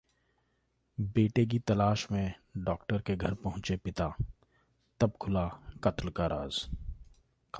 बेटे की तलाश में डॉक्टर के घर पहुंचे पिता, तब खुला कत्ल का राज